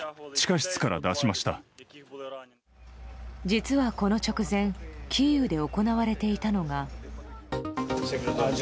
実は、この直前キーウで行われていたのが。